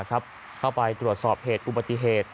เข้าไปตรวจสอบเหตุอุบัติเหตุ